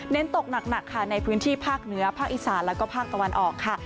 ตกหนักค่ะในพื้นที่ภาคเหนือภาคอีสานแล้วก็ภาคตะวันออกค่ะ